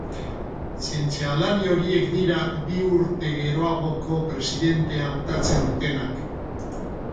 Zientzialari horiek dira bi urte geroagoko presidentea hautatzen dutenak.